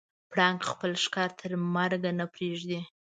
پړانګ خپل ښکار تر مرګه نه پرېږدي.